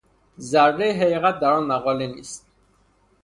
ذره ای حقیقت در آن مقاله نیست.